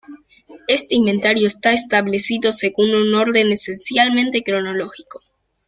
Este inventario está establecido según un orden esencialmente cronológico.